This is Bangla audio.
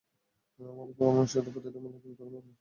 আমার উপর অমীমাংসিত প্রতিটা মামলা পিন করার চেষ্টা করেছিল।